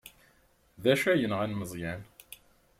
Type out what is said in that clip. D acu ay yenɣan Meẓyan?